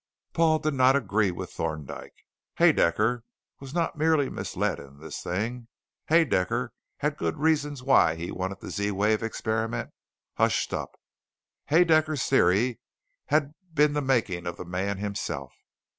Paul did not agree with Thorndyke. Haedaecker was not merely misled in this thing. Haedaecker had good reasons why he wanted the Z wave experiment hushed up. Haedaecker's Theory had been the making of the man himself.